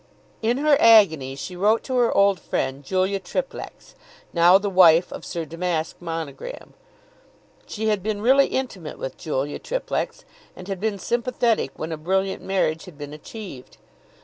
In her agony she wrote to her old friend Julia Triplex, now the wife of Sir Damask Monogram. She had been really intimate with Julia Triplex, and had been sympathetic when a brilliant marriage had been achieved.